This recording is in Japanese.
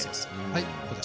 はい。